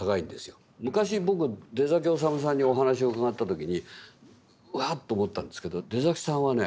昔僕出統さんにお話を伺った時にうわっと思ったんですけど出さんはね